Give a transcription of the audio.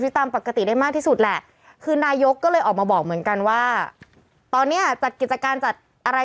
ตอนนี้จัดกิจการจัดอะไร